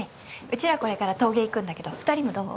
ちらこれから陶芸行くんだけど二人もどう？